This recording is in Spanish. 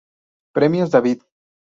Premios David.